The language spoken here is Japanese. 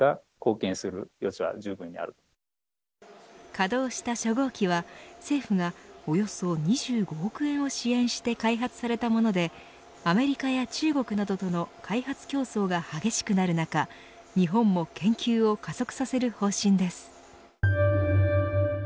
稼働した初号機は政府がおよそ２５億円を支援して開発されたものでアメリカや中国などとの開発競争が激しくなる中日本も研究を加速させる方針です。